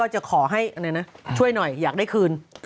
ก็จะขอให้ช่วยหน่อยอยากได้คืน